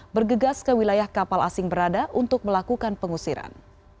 bergegas ke wilayah kapal asing berada untuk melakukan pengusiran